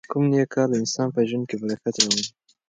کوم نېک کار د انسان په ژوند کې برکت راولي؟